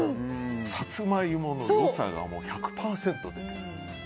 さつまいもの良さが１００％出てる。